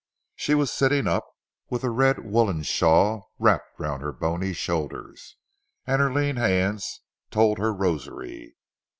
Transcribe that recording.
She was sitting up, with a red woollen shawl wrapped round her bony shoulders, and her lean hands told her rosary.